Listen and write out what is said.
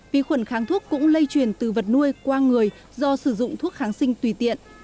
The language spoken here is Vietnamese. vi khuẩn kháng thuốc cũng lây truyền từ vật nuôi qua người do sử dụng thuốc kháng sinh tùy tiện